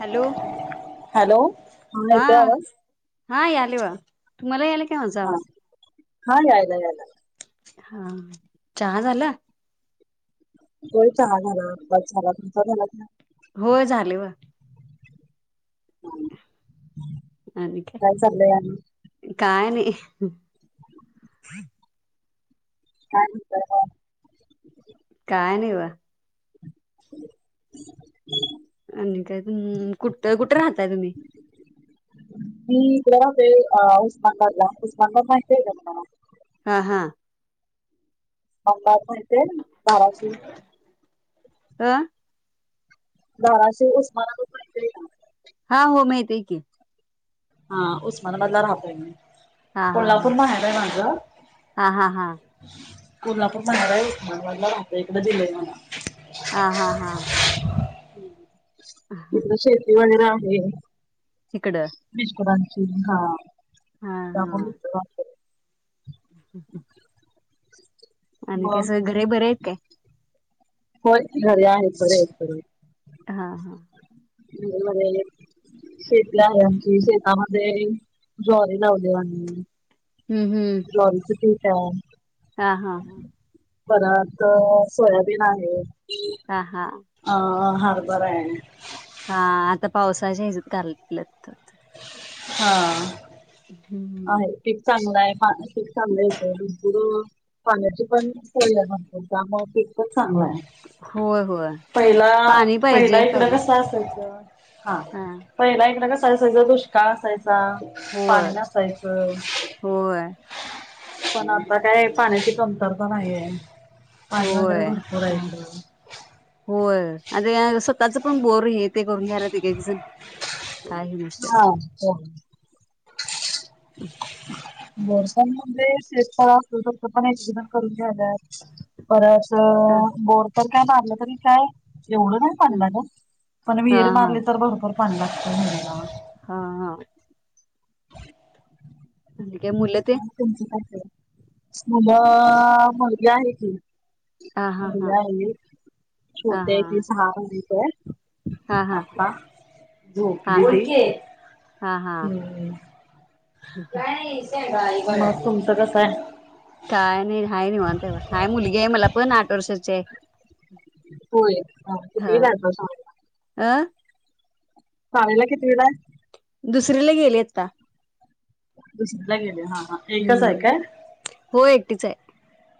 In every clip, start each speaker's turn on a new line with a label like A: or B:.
A: Hello
B: hello
A: हा
B: येतोय आवाज
A: हा यायले बा तुम्हाला यायाला माझा
B: हा
A: आवाज.
B: हा यायला यायला.
A: हा चहा झाला.
B: हो चहा झाला. आताच झाला. तुमचा झाला कि नाही.
A: होय झाले वा आणि
B: काय चाललंय आणि
A: काय काय नाही. [inaudible]
B: काय म्हणताय म
A: काय नाही बघा
B: [inaudible]
A: आणि काय कुठ कुठे राहताय तुम्ही
B: मी इकडं राहतोय उस्माबादला. उस्माबाद माहिते का तुम्हाला.
A: हा हा
B: [unintelligible] धाराशिव
A: अ
B: धाराशिव, उस्मानाबाद माहितेय का?
A: हा हो, माहिती हाय की.
B: हा, उस्मानाबादला राहतोय मी.
A: हा हा
B: कोल्हापूर
A: हा
B: माहेर आहे माझं
A: हा हा
B: कोल्हापूर माहेर आहे, उस्मानाबादला रहतोय. इकडे दिलंय मला.
A: हा हा हा
B: हम्म.
A: हा
B: तिकडं शेती वैगेरे [unintelligible]
A: इकडं
B: मिस्टरांनी अं हा. [unintelligible]
A: हम्म हम् आणि कसं हाय, घरे बरं हायत काय?
B: हो घरी आहेत बरे आहेत बरे.
A: हा हा.
B: [inaudible] शेतला [unintelligible] आहे आमची शेतामध्ये जरी दोरे लावलेवाणी.
A: हम्म हम्म
B: ज्वारीचं पीठ [inaudible]
A: हा हा हा.
B: परत सोयाबीन आहे
A: हा हा
B: अ हरभरा हाय.
A: हा आता पावसाच्या हिजूत घालत होतं.
B: हा.
A: हम्म
B: आहे पिक चां गल हाय, पीक चांगलं येतं, दुसरं पाण्याचीपण सोय आहे त्यामुळे पीकपण चांगलं आहे.
A: होय होय
B: पहिला
A: पाणी
B: पहिला
A: पाहिजे
B: इकड कस असायचं हा पहिला इकडं कसं [unintelligible] संग दुष्काळ असाय चा
A: होय
B: पाणीला असायचं,
A: होय
B: पण आता काय पाण्याची कमतरता नाहीये.
A: होय, नाही होय. आता या स्वतःचपण बोर हे ते करून घ्यायला ते एकजण काही नसते
B: हा हो. वर्षांमध्ये शेत असत तर पण एक एकण करून घ्यालात परत अ ब तर काय मारलं तरी काय एवढं नाही पणल्याला पण
A: हा
B: महीर
A: हा
B: मारले तर भरपर पणलात होला
A: हा हा आणि काय मुलं ते
B: ह तमची का मला मर्गी आहे की
A: हा हा हा हा हा हा हा हा हा
B: [inaudible]
A: हा हा
B: [unintelligible] [inaudible]
A: काय नाही. हाय, निवांत आहे. हाय, मुलगी आहे मला. पण, आठ वर्षाची आहे. हा अ
B: [unintelligible] [unintelligible]
A: [unintelligible] फिरायला गेलेत का?
B: दुसरीला गेले हा हा एकच आहे
A: हम्...
B: काय
A: होय. [unintelligible]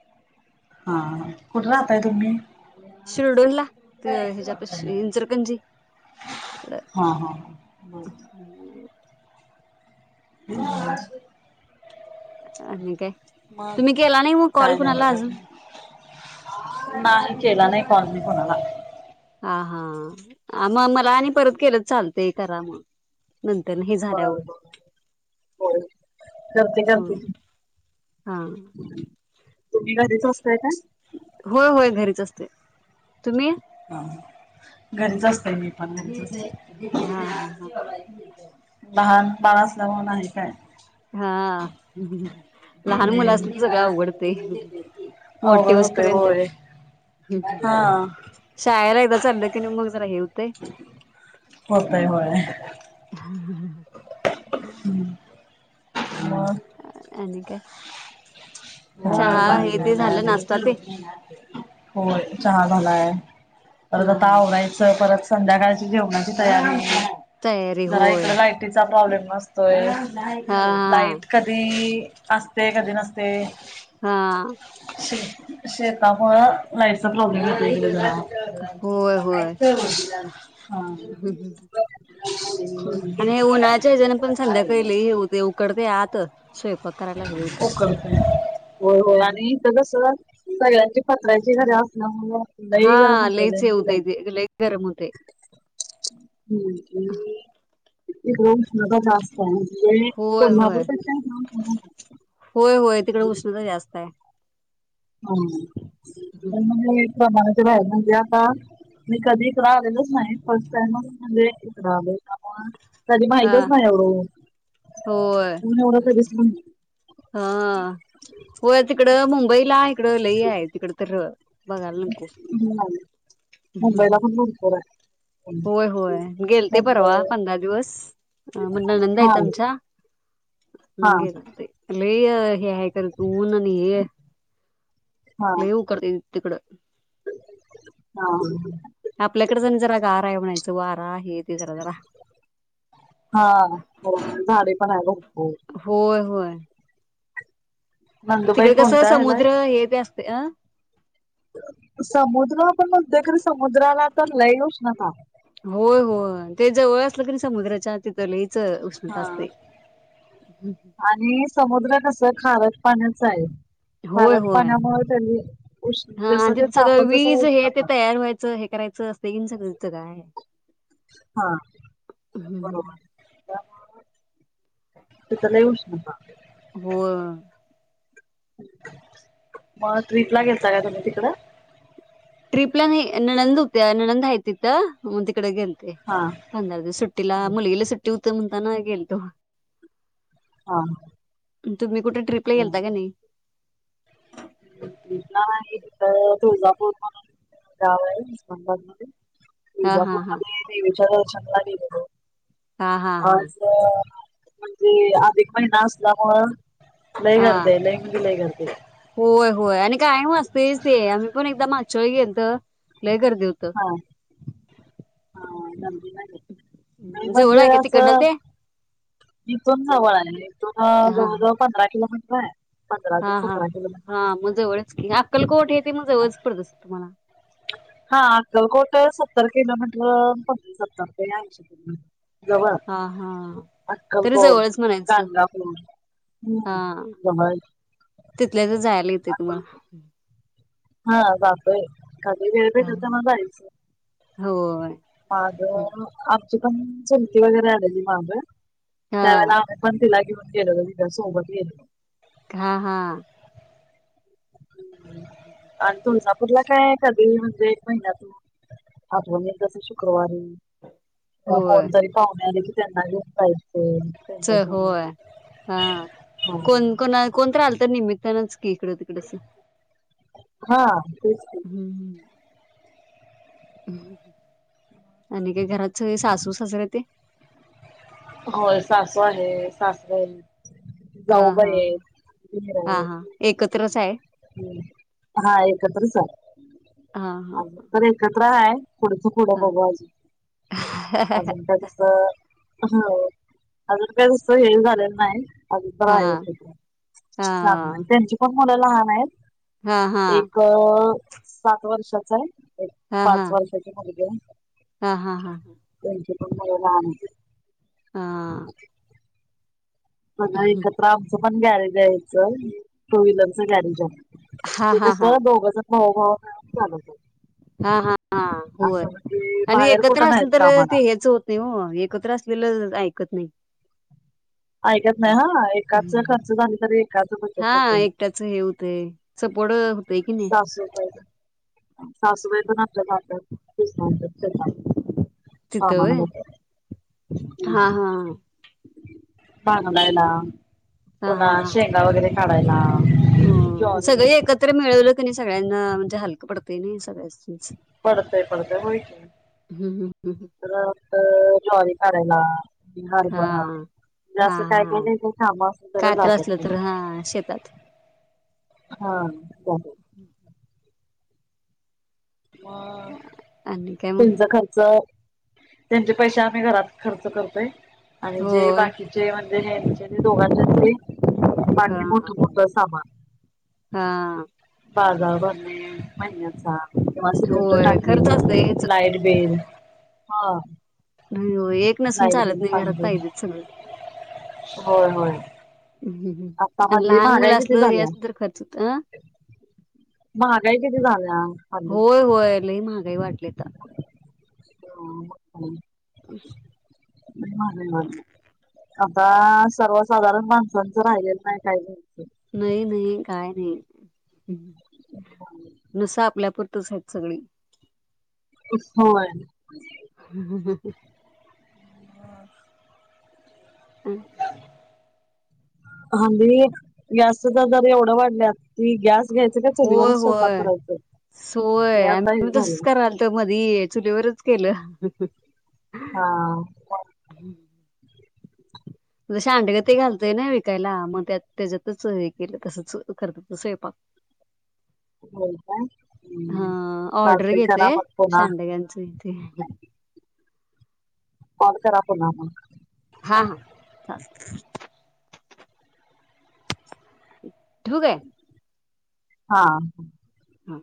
B: हा. आ... हा हा बर
A: [unintelligible]
B: [inaudible] मग
A: तुम्ही केला नाही, मग कॉल
B: काय नाही
A: कुणाला
B: बघा
A: अजून?
B: नाही. केला नई कॉल मी कुणाला.
A: हा हा, अ, मग मला आणि परत केलात. चालतय, करा म. नंतर हे
B: बर
A: झाल्यावर,
B: बर होय करते करते
A: ह
B: की
A: हा,
B: तुम्ही घरीच असताय काय?
A: होय, होय घरीच असते. तुम्ही?
B: घरीच असतय मी.
A: हा हा हा
B: [unintelligible] [unintelligible]
A: हा. [unintelligible] [unintelligible] ते?
B: अवघड होतय होय हा होतय होय. [unintelligible] म
A: [unintelligible] चहा हे ते झालं नाश्ता ते
B: हो, चहा झालाय - परत आता
A: हा
B: आवरायचंय... परत संध्याकाळची जेवणाची -
A: तयारी
B: [inaudible] जरा
A: होय
B: इकडं, लायटीचा प्रॉब्लेम - मस्त
A: हा
B: आहे. लाईट कधी असते कधी नसते.
A: हा.
B: शेता प लाईटचा प्रॉब्लेम होेतला.
A: होय
B: काय
A: होय
B: हो. हा. ह
A: आणि हे उन्हाळच्या हजण पण संध्याकाळीले हेऊ ते उकडते आत स्वयंपाक करायला हे
B: हो
A: होते
B: कर हो हो आणि ईथ कस ब [unintelligible] पत्र्याची घर अस ना म्हलंही गरम
A: हां,
B: होत
A: लईच हे होतंय ते, लई गरम होतंय.
B: रो घर असत म्हणजे
A: होय, होय.
B: कोल्हापूर का ना
A: होय होय तिकडे उष्णता जास्त आहे
B: ह प्रमा [unintelligible] इकड आहे म्हणजे आता मी कधी इकड आलेलच नाही फर्स्ट टाइमच म्हणजे इकडे आले का
A: हा होय
B: ऊन एवढं कधीच नाही
A: हा होय तिकड मुंबईला आहे. तिकड लई आहे तिकड तर नको.
B: ह मुंबईला पण भरपुर आहे
A: होय होय गेल ते
B: मुंबई
A: परवा पंधरा दिवस. ह म्हण
B: हा
A: नंदायतमचा
B: हा
A: हे ते [unintelligible] हे ह कर उन आणि हे
B: हा
A: लई उकडतय तिकड
B: हा
A: आपल्याकड जण जरा गारा आहे म्हणायचं वारा हे ते जरा जरा.
B: हा हो झाडे पण आहे भरपूर
A: होय, होय.
B: नंदुबाई
A: तिकडे कस
B: कोणत्या ह्याला
A: समुद्र
B: आहे?
A: हे ते असते अ
B: समुद्र पण म्हणतोय खर समुद्राला तर लय उष्णता
A: होय होय ते जवळ असलं की समुद्राच्या तिथ लई
B: हा आणि समुद्र कस खारट पाण्याच आहे
A: होय
B: खारट
A: होय
B: पाण्यामुळे त्यांनी उष्ण
A: हा
B: जसं
A: आणि
B: ते
A: तिथ
B: तापल
A: सगळं
B: तसं
A: वीज हे ते
B: उष्णता
A: तयार व्हायचं हे करायचं असतय सगळं तिथं काय आहे -
B: हा बरोबर तिथ लय उष्णता
A: हो
B: [inaudible] मग ट्रीप गेलता का तुम्ही तिकडे
A: ट्रिपला नाही नंनद होत नंनद हाय तिथं म ते तिकडे गेलते
B: हा
A: पंधरा दिवस सुट्टीला मुलगीला सुट्टी तर म्हणता ना गेलतो
B: हा
A: [unintelligible] कुठे ट्रिपला गेलता की नाही
B: नाही त तुळजापूर जावई [unintelligible]
A: हा
B: तुळजापूर
A: हा हा
B: मध्ये विवेंचर [unintelligible] [unintelligible]
A: हा हा हा
B: म्हणजे अधिक महिना असल्यामुळ लय गर्दी
A: हा.
B: आहे लय म्हणजे लय गर्दी आहे
A: होय होय आणि कायम तेच ते आम्ही पण एकदा माग - मागच्या वेळी गेलतं
B: हा हा म्हणजे
A: जवळ आहे
B: म्हणजे
A: का
B: अस
A: तिकडनं ते
B: इथून जवळ आहे इथून
A: हा.
B: जवळ जवळ पंधरा किलो मीटर बरं
A: हा हा हा मग जवळच की अक्कलकोट हे ते मग जवळच पडत असल मग तुम्हाला
B: हा अक्कलकोट सत्तर किलोमीटर प सत्तर ते ऐशी
A: हा हा तरी
B: अक्कलकोट
A: जवळच म्हणायचं
B: गाणगापूर
A: हा
B: हम्म जवळ आहे.
A: तिथल्या तिथे जायला येत
B: अक्कलकोट
A: तुम्हाला
B: हा जातोय कधी वेळ मिळेल तेव्हा जायचं
A: हो
B: आज आ ते पण चुलती वगैरे आलेली मागं
A: हा
B: त्यावेळेला आपण पण तिला घेऊन सोबत गेलो
A: हा हा
B: आणि तुून. तुला काय आहे कधी म्हणजे एक महिन्यात हातवणल तस शुक्रवारी.
A: होय
B: कोण तरी पावण्या त्यांना का [unintelligible]
A: च होय हा
B: हा
A: कोण कोणा कोणत राहिल तर निमित्तानच. इकडं तिकडच.
B: हा. तेच की
A: हम्म हम्. आणि का घरात सग सासू ससर ते.
B: होय सासू आहे सासवल.
A: हा
B: जाऊबा
A: हा
B: आहेतर
A: हा
B: आहेत,
A: हा एकत्रच आहे
B: हा एकत्रच
A: हा हा
B: तर एकत. क आहे. [unintelligible] पुढच कुडं
A: हा
B: बघू अजून
A: हा
B: अजून का कस. हो अजून काय कसं हे झालेलं नाही. अ
A: हा
B: आहेेत
A: हा
B: चांग त्यांची पन. लहान आहेत.
A: हा हा
B: एक. सात वर्षाचा आहे.
A: हा हा
B: पाच
A: हा
B: वर्षाचे भजे.
A: हा हा
B: त्यांला [unintelligible]
A: हा हं.
B: हत्र [unintelligible] पण गाडी द्यायचं टू व्हीलरच गाडी घ्याय.
A: हां,
B: ते
A: हां, हां.
B: क दोघच भाऊभव झाल.
A: हा होय आणि एकत्र असलं
B: नाहीत
A: तर
B: कामाला.
A: ते हेच होत नाही म एकत्र असलेलं ऐ. त नाही [unintelligible]
B: ऐकत नाही हा एकाच खर्च झाली तरी एक.
A: हा एकट्याच हे हो ते. सपोर्ड होतय की नाही.
B: सासबा प आपल्या [unintelligible] हा म्ह [unintelligible]
A: हा हा.
B: भांगलायला
A: हां,
B: पुन्हा
A: हां, हां, हां.
B: शेंगा वगैरे- काढायला
A: हो
B: ज्वारी
A: सगळे एकत्र मिळवलं आणि सगळ्यांना म्हणजे हलकं पडतय नाही सगळ्यासनीच.
B: पडतंय पडतंय होय की.
A: हं, हं, हं, हं.
B: रात ज्वारी काढायला हारभरा,
A: हां.
B: बी
A: हां,
B: असं काय काही
A: हां.
B: नाही तर कामा असल तर
A: काय
B: लावत्यात
A: असलं
B: ते,
A: तर हां, शेतात
B: हा [unintelligible] मग
A: आणि काय मग?
B: तुमचा खर्च त्यांचे पैसे आम्ही घरात खर्च करतोय. आणि जे
A: होय.
B: बाकीचे म्हणजे हेंचे दोघांचे ते बाकी
A: हां,
B: मोठं मोठं सामान
A: हां.
B: बाजार भरणे महिन्याचा सिंडर
A: होय.
B: टाकी
A: खरंच असतंय हेच
B: लाईट बील हा.
A: हो एक नसून
B: लाईट
A: चालत
B: बिल
A: नाही
B: पाणी
A: घरात
B: बिल
A: पाहिजेच संगळ
B: होय होय आता
A: आणि
B: हल्ली
A: लहान
B: महागाई
A: मुलं
B: किती
A: असलं हे
B: झाल्या
A: असलं तर खर्च होत ना?
B: महागाई किती झाल्या हल्ली
A: होय होय लय महाग. लय वाटलेत
B: [unintelligible] लय महागलय [unintelligible] आता सर्वसाधारण माणसांचं राहिलेलं नाही काही नाही
A: नाही नाही काय नाही. नुसा आपल्याप [unintelligible] हैत सगळी.
B: [inaudible] होय.
A: हू हू हू. ह
B: आ
A: हम्म
B: हां बाई गॅस चे दर येवढ वाढल्यात ते गॅस घ्यायचं का
A: होय
B: चुलीवरच स्वयंपाक
A: -होय,
B: करायचं. हे
A: सोय
B: आता हे
A: आम्ही तसच
B: झालं
A: करतो आहे, मध्ये चुलीवरच केलं
B: हा मग.
A: सांडगे ते घालतोय, ना विकायला मग त्यात, तेच्यातच हे केलं तसच करतात स्वयंपाक
B: हो काय?
A: हा
B: हम्...
A: ऑर्डर
B: चालतंय करा
A: घेतोय
B: मग पुन्हा
A: सांडग्यांचं इथे
B: कॉल करा पुन्हा मग.
A: हा हा ूक आहे
B: हा
A: हा